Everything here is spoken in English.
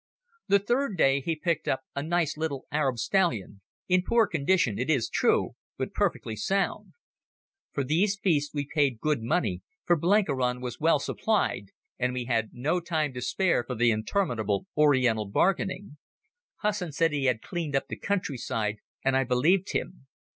The third day he picked up a nice little Arab stallion: in poor condition, it is true, but perfectly sound. For these beasts we paid good money, for Blenkiron was well supplied and we had no time to spare for the interminable Oriental bargaining. Hussin said he had cleaned up the countryside, and I believed him.